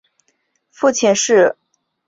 父亲是荒川秀景。